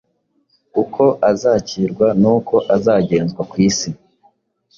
uko azakirwa n’uko azagenzwa ku isi.